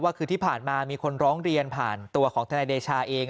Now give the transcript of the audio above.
คืนที่ผ่านมามีคนร้องเรียนผ่านตัวของทนายเดชาเอง